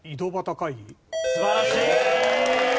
素晴らしい！